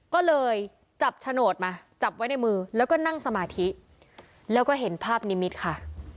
ก็เลยจับโฉนดมาจับไว้ในมือแล้วก็นั่งสมาธิแล้วก็เห็นภาพนิมิตรค่ะ